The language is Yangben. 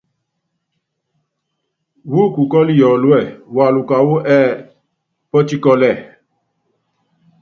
Wú kukɔ́lɔ Yɔɔlúɛ́, waluka wú ɛ́ɛ́ Pɔtikɔ́lɛ.